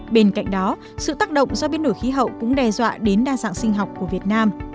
bên cạnh đó sự tác động do biến đổi khí hậu cũng đe dọa đến đa dạng sinh học của việt nam